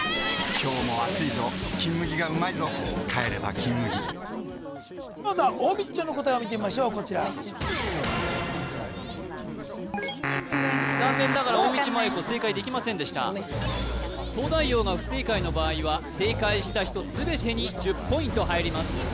今日も暑いぞ「金麦」がうまいぞ帰れば「金麦」まずは大道ちゃんの答えを見てみましょうこちら残念ながら大道麻優子正解できませんでした東大王が不正解の場合は正解した人全てに１０ポイント入ります